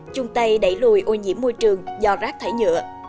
chung tay đẩy lùi ô nhiễm môi trường do rác thải nhựa